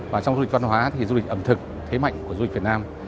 và trong du lịch văn hóa thì du lịch ẩm thực thế mạnh của du lịch việt nam